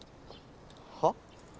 はっ？